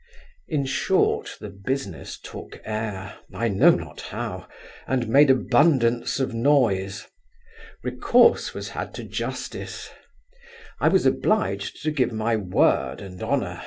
In short, the business took air, I know not how, and made abundance of noise recourse was had to justice I was obliged to give my word and honour, &c.